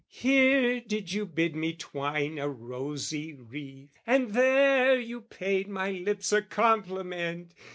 "Here did you bid me twine a rosy wreath!" "And there you paid my lips a compliment!"